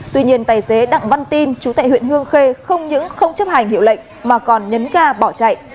tuy nhiên tài xế đặng văn tin chú tại huyện hương khê không những không chấp hành hiệu lệnh mà còn nhấn ga bỏ chạy